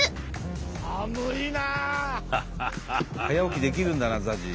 早起きできるんだなＺＡＺＹ。